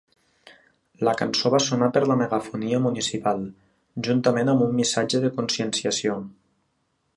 La cançó va sonar per la megafonia municipal, juntament amb un missatge de conscienciació.